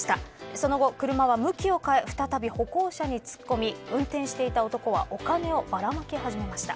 その後、車は向きを変え再び歩行者に突っ込み運転していた男はお金をばらまき始めました。